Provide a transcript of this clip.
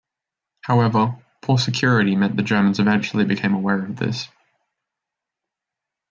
However, poor security meant the Germans eventually became aware of this.